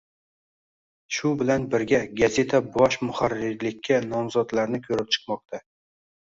Shu bilan birga, gazeta bosh muharrirlikka nomzodlarni ko'rib chiqmoqda